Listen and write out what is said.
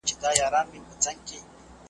تر غرمي پوري یې وکړله تاختونه .